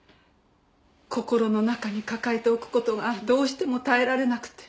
心の中に抱えておく事がどうしても耐えられなくて。